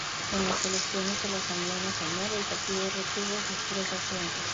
En las elecciones de la Asamblea Nacional, el partido retuvo sus tres asientos.